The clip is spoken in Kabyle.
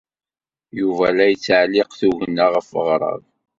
Yuba la yettɛelliq tugna ɣef weɣrab.